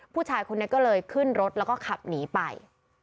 ผู้ชายคนนี้ก็เลยขึ้นรถแล้วก็ขับหนีไป